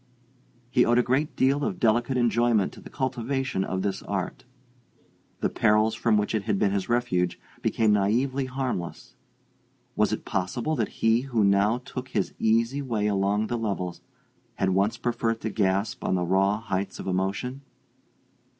He owed a great deal of delicate enjoyment to the cultivation of this art. The perils from which it had been his refuge became naively harmless: was it possible that he who now took his easy way along the levels had once preferred to gasp on the raw heights of emotion?